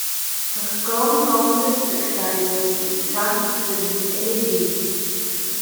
Per con grondas taxeis Vus las schanzas da vegnir eligius?